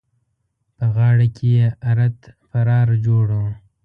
په غاړه کې يې ارت پرار جوړ وو.